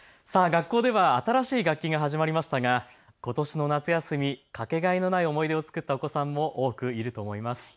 学校では新しい学期が始まりましたが、ことしの夏休み、かけがえのない思い出を作ったお子さんも多くいると思います。